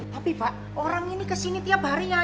tapi pak orang ini kesini tiap hari ya